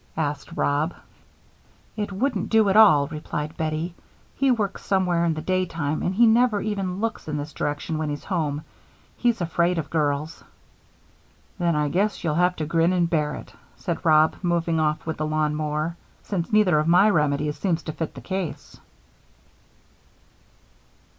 asked Rob. "It wouldn't do at all," replied Bettie. "He works somewhere in the daytime and never even looks in this direction when he's home. He's afraid of girls." "Then I guess you'll have to grin and bear it," said Rob, moving off with the lawn mower, "since neither of my remedies seems to fit the case."